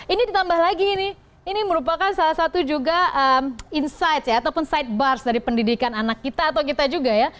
ini merupakan salah satu juga insight ya ataupun sidebar dari pendidikan anak kita atau kita juga ya